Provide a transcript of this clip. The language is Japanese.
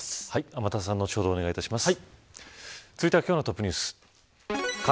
天達さん後ほどお願いします。